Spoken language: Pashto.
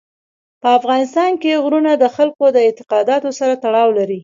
په افغانستان کې غرونه د خلکو د اعتقاداتو سره تړاو لري.